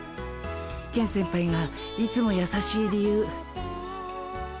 ケン先輩がいつもやさしい理由。